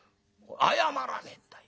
謝らねえんだよ。